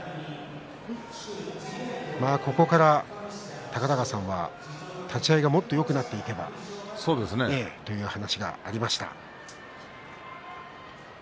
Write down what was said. ここから高田川さんの立ち合いでもっとよくなっていけばという話がありました。